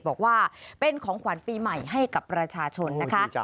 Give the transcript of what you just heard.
บอกว่าเป็นของขวัญปีใหม่ให้กับประชาชนนะคะ